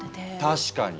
確かに！